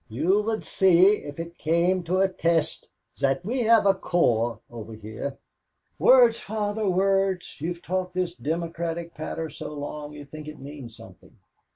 You would see, if it came to a test, that we have a core over here." "Words, Father, words; you've talked this democratic patter so long you think it means something.